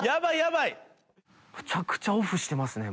むちゃくちゃオフしてますね、